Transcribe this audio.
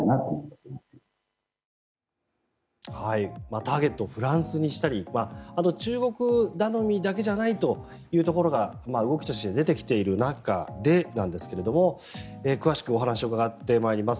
ターゲットをフランスにしたりあとは中国頼みだけじゃないというところが動きとして出てきている中でなんですが詳しくお話を伺っていきます。